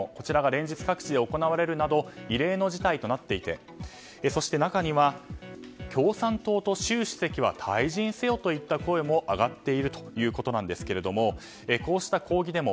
連日各地で行われるなど異例の事態となっていて中には、共産党と習主席は退陣せよといった声も上がっているということですがこうした抗議デモ